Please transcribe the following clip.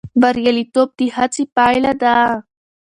بریالیتوب د هڅې پایله ده.